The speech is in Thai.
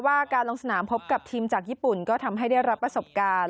การลงสนามพบกับทีมจากญี่ปุ่นก็ทำให้ได้รับประสบการณ์